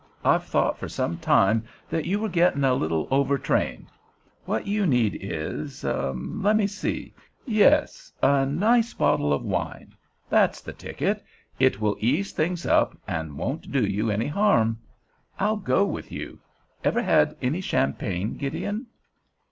I've thought for some time that you were getting a little overtrained. What you need is—let me see—yes, a nice bottle of wine. That's the ticket; it will ease things up and won't do you any harm. I'll go, with you. Ever had any champagne, Gideon?"